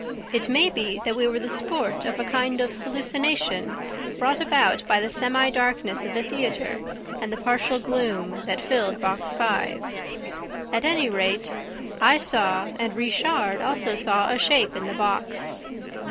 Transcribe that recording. It may be that we were the sport of a kind of hallucination brought about by the semi darkness of the theater and the partial gloom that filled Box Five. At any rate, I saw and Richard also saw a shape in the box.